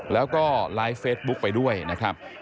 แล้วก็ไลฟ์เฟซบุ๊คไปด้วยนะครับ